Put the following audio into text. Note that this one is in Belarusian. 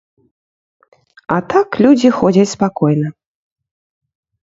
А так людзі ходзяць спакойна.